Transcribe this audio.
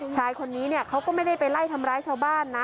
ชายคนนี้เนี่ยเขาก็ไม่ได้ไปไล่ทำร้ายชาวบ้านนะ